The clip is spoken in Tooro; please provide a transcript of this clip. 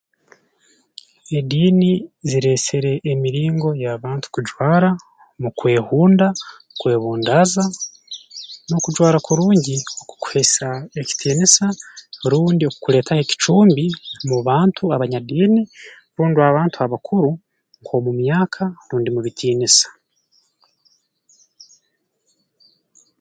Ediini zireesere emiringo y'abantu kujwara mu kwehunda kwebundaaza n'okujwara kurungi kukuhaisa ekitiinisa rundi kukuleetaaho ekicumbi mu bantu abanyadiini rundi abantu abakuru nk'omu myaka rundi mu bitiinisa